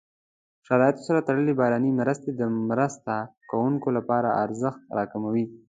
شرایطو سره تړلې بهرنۍ مرستې د مرسته کوونکو لپاره ارزښت راکموي.